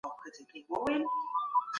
د بحثونو موضوعات څه دي؟